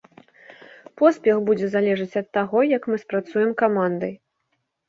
Поспех будзе залежыць ад таго, як мы спрацуем камандай.